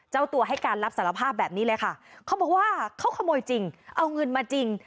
เจ้าตัวให้การรับสารภาพแบบนี้เลยค่ะเขาบอกว่าเขาขโมยจริงเอาเงินมาจริง